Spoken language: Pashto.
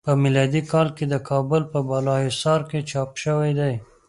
په میلادی کال د کابل په بالا حصار کې چاپ شوی دی.